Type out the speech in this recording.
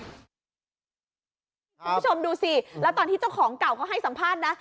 คุณผู้ชมดูสิแล้วตอนที่เจ้าของเก่าเขาให้สัมภาษณ์นะ